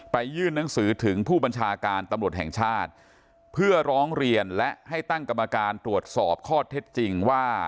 ยื่นหนังสือถึงผู้บัญชาการตำรวจแห่งชาติเพื่อร้องเรียนและให้ตั้งกรรมการตรวจสอบข้อเท็จจริงว่า